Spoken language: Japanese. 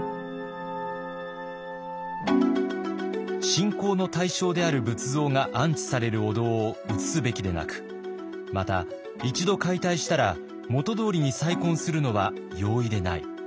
信仰の対象である仏像が安置されるお堂を移すべきでなくまた一度解体したら元どおりに再建するのは容易でない。